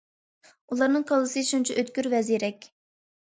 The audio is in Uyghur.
ئۇلارنىڭ كاللىسى شۇنچە ئۆتكۈر ۋە زېرەك.